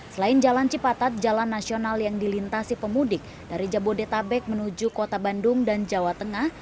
selain jalan cipatat jalan nasional yang dilintasi pemudik dari jabodetabek menuju kota bandung dan jawa tengah